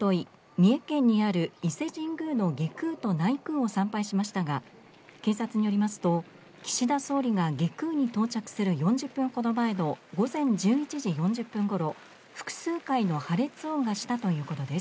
三重県にある伊勢神宮の外宮と内宮を参拝しましたが警察によりますと岸田総理が外宮に到着する４０分ほど前の午前１１時４０分ごろ複数回の破裂音がしたということです